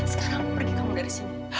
sekarang pergi kamu dari sini